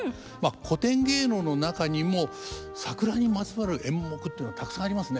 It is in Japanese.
古典芸能の中にも桜にまつわる演目っていうのたくさんありますね。